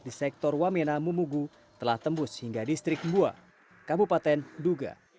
di sektor wamena mumugu telah tembus hingga distrik mbua kabupaten duga